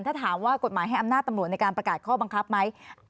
ถ้าถามว่ากฎหมายให้อำนาจตำรวจในการประกาศข้อบังคับไหม